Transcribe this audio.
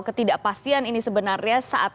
ketidakpastian ini sebenarnya saat